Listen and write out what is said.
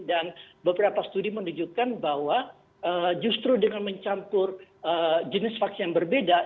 dan beberapa studi menunjukkan bahwa justru dengan mencampur jenis vaksin yang berbeda